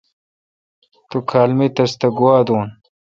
تو کھال مے°تس تہ گوا دون۔